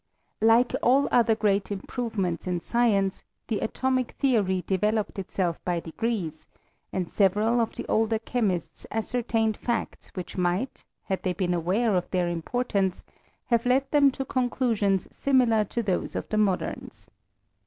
like all other great improvements in science, the atomic theory developed itself by degrees, and sa^ yeral of the older chemists ascertained facts which might, had they been aware of their importance, kftve led them to conclusions similar to those of the aiSTOKT OF CBEinsrST. moderns.